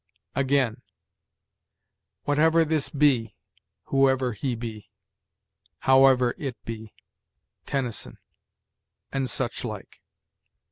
"Again. 'Whatever this be'; 'whoever he be'; 'howe'er it be' (Tennyson); and such like.